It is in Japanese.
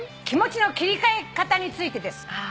「気持ちの切り替え方についてです」